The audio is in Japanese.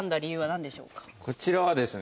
こちらはですね